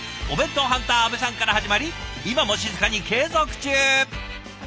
お弁当ハンター阿部さんから始まり今も静かに継続中。